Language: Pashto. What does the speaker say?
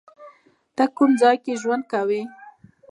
ته کوم ځای کې ژوند کوی؟